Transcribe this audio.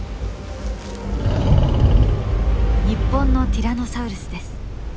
日本のティラノサウルスです。